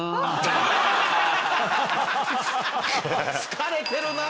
疲れてるな。